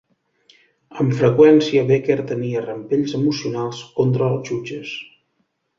Amb freqüència, Becker tenia rampells emocionals contra els jutges.